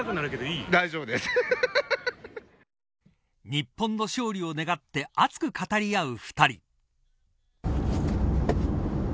日本の勝利を願って熱く語り合う２人。